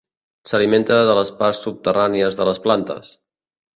S'alimenta de les parts subterrànies de les plantes.